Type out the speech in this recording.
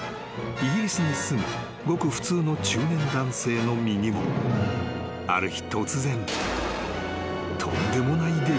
［イギリスに住むごく普通の中年男性の身にもある日突然］